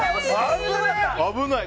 危ない！